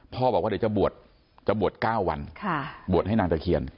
บอกว่าเดี๋ยวจะบวชจะบวช๙วันบวชให้นางตะเคียน